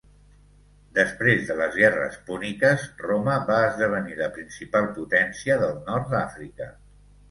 Després de les guerres púniques, Roma va esdevenir la principal potència del nord d'Àfrica.